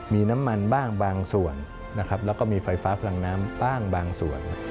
มีน้ำมันบ้างบางส่วนนะครับแล้วก็มีไฟฟ้าพลังน้ำบ้างบางส่วน